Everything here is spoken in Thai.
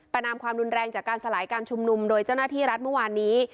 นามความรุนแรงจากการสลายการชุมนุมโดยเจ้าหน้าที่รัฐเมื่อวานนี้